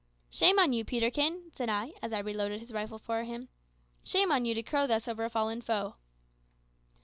"Shame on you, Peterkin," said I, as I reloaded his rifle for him "shame on you to crow thus over a fallen foe!"